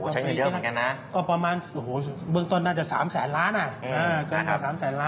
ใช้เงินเยอะเหมือนกันนะก็ประมาณเบื้องต้นน่าจะ๓แสนล้านอ่ะ